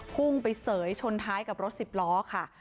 พุ่งไปเสยชนท้ายกับรถสิบล้อค่ะ